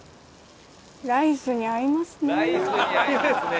「ライスに合いますね」。